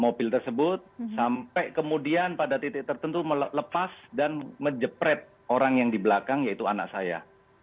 mobil tersebut sampai kemudian pada titik tertentu melepas dan menjepret orang yang di belakang yaitu anak saya